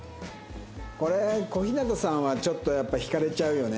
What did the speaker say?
これ小日向さんはちょっとやっぱ引かれちゃうよね。